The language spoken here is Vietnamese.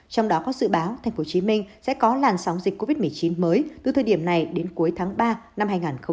trong đó có dự báo tp hcm sẽ có làn sóng dịch covid một mươi chín mới từ thời điểm này đến cuối tháng ba năm hai nghìn hai mươi